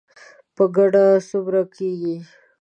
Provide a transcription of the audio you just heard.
په ګډه څومره کیږي؟